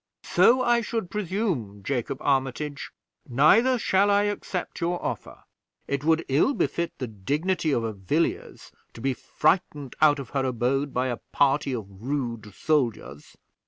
"So I should presume, Jacob Armitage, neither shall I accept your offer. It would ill befit the dignity of a Villiers to be frightened out of her abode by a party of rude soldiers.